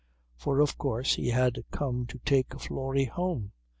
For of course he had come to take "Florrie" home.